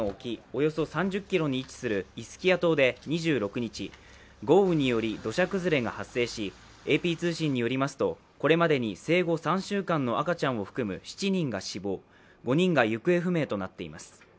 およそ３０ｋｍに位置するイスキア島で２６日、豪雨により土砂崩れが発生し、ＡＰ通信によりますとこれまでに生後３週間の赤ちゃんを含む７人が死亡、５人が行方不明となっています。